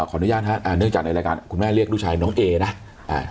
ขออนุญาตฮะอ่าเนื่องจากในรายการคุณแม่เรียกลูกชายน้องเอนะอ่า